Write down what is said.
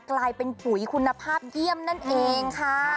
กลายเป็นปุ๋ยคุณภาพเยี่ยมนั่นเองค่ะ